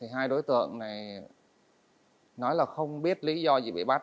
hai đối tượng này nói là không biết lý do gì bị bắt